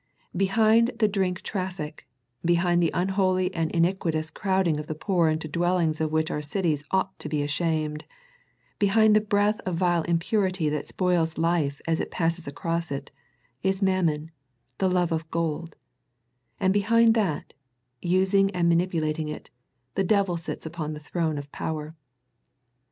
Behind the drink traffic, behind the unholy and iniquitous crowding of the poor into dwellings of which our cities ought to be ashamed, behind the breath of vile impurity that spoils life as it passes across it, is Mammon, the love of gold; and behind that, using and manipulating it, the devil sits upon the throne of power.